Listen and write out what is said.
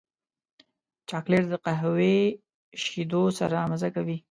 چاکلېټ د قهوې شیدو سره مزه کوي.